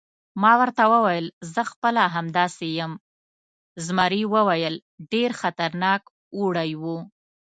ما ورته وویل: زه خپله همداسې یم، زمري وویل: ډېر خطرناک اوړی و.